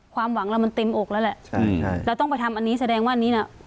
ความหวังเรามันเต็มอกแล้วแหละใช่เราต้องไปทำอันนี้แสดงว่าอันนี้น่ะ